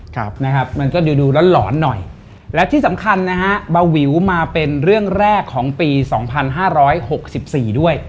ครับนะครับมันก็ดูร้อนหน่อยและที่สำคัญนะฮะเบาวิวมาเป็นเรื่องแรกของปี๒๕๖๔ด้วย